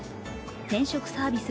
転職サービス